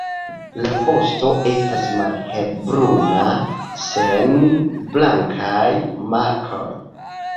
La vosto estas malhelbruna sen blankaj markoj.